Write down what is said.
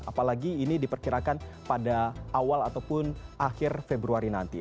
apalagi ini diperkirakan pada awal ataupun akhir februari nanti